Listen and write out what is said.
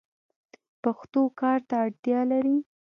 پښتو کار ته اړتیا لري.